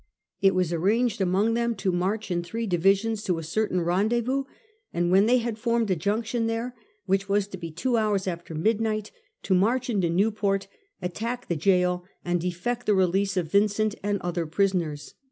It was arranged among them to march in three divisions to a certain rendezvous, and when they had formed a junction there, whieh was to be two hours after midnight, to march into Newport, attack the gaol, and effect the release of Vincent and other prisoners.